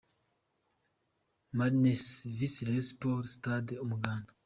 Marines vs Rayon Sports –Sitade Umuganda.